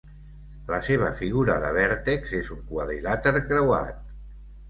La seva figura de vèrtex és un quadrilàter creuat.